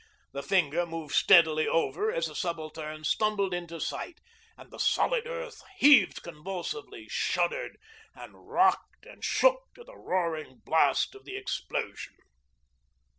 The finger moved steadily over as the Subaltern stumbled into sight and the solid earth heaved convulsively, shuddered, and rocked and shook to the roaring blast of the explosion.